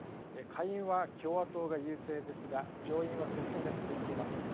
下院は共和党が優勢ですが上院は接戦が続いています。